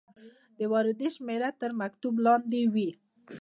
د واردې شمیره تر مکتوب لاندې وي.